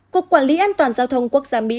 cục quản lý an toàn giao thông quốc gia mỹ